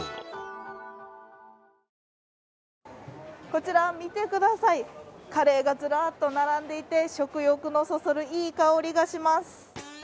こちら見てくださいカレーがずらっと並んでいて食欲をそそるいい香りがします。